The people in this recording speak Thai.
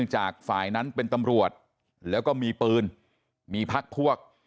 จากฝ่ายนั้นเป็นตำรวจแล้วก็มีปืนมีพักพวก